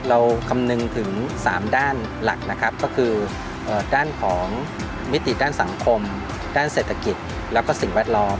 คำนึงถึง๓ด้านหลักนะครับก็คือด้านของมิติด้านสังคมด้านเศรษฐกิจแล้วก็สิ่งแวดล้อม